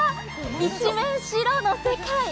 一面白の世界。